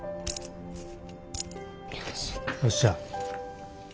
よっしゃ。